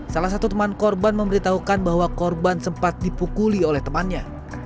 salah satu teman korban memberitahukan bahwa korban sempat dipukuli oleh temannya